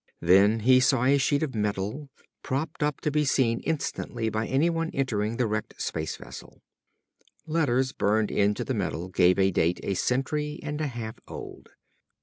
Then he saw a sheet of metal, propped up to be seen instantly by anyone entering the wrecked space vessel. Letters burned into the metal gave a date a century and a half old.